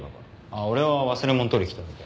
あっ俺は忘れ物取りに来ただけ。